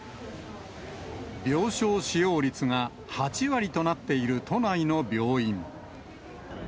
病床使用率が８割となっている都内の病院。